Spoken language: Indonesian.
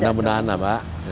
benar benar anak pak